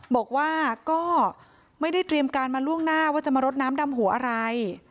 บอกว่าก็ไม่ได้เตรียมการมาล่วงหน้าว่าจะมารดน้ำดำหัวอะไร